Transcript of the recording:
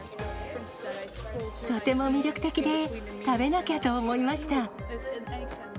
とても魅力的で食べなきゃと思いました。